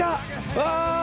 うわ！